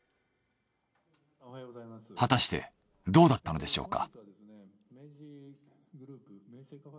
果たしてどうだったのでしょうか。